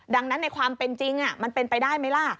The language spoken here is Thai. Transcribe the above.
ดังนั้นในความเป็นจริงมันเป็นไปได้ไหมล่ะ